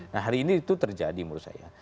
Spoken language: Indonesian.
nah hari ini itu terjadi menurut saya